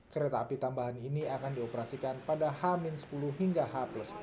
kereta api tambahan ini akan dioperasikan pada h sepuluh hingga h sepuluh